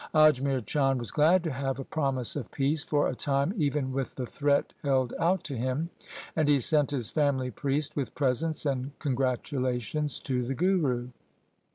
Ajmer Chand was glad to have a promise of peace for a time even with the threat held out to him ; and he sent his family priest with presents and con gratulations to the Guru.